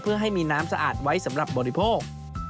เพื่อให้มีน้ำสะอาดไว้สำหรับบริโภค